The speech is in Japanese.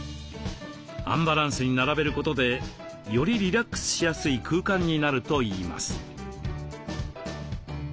アンバランスに並べることでよりリラックスしやすい空間になるといいます。